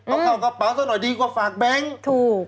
เอาเข้ากระเป๋าซะหน่อยดีกว่าฝากแบงค์ถูก